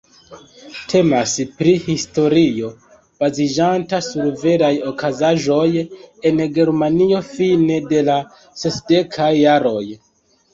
Temas pri historio, baziĝanta sur veraj okazaĵoj en Germanio fine de la sesdekaj jaroj.